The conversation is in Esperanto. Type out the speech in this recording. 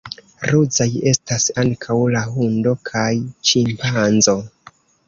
Ruzaj estas ankaŭ la hundo kaj ĉimpanzo.